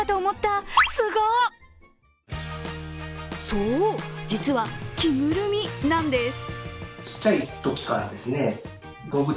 そう、実は着ぐるみなんです。